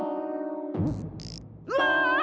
うわ！